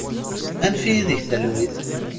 Annef-iyi deg talwit!